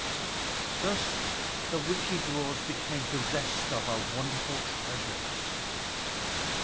Thus the wicked dwarfs became possessed of a wonderful treasure.